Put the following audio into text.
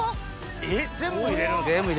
えっ全部入れるんですか？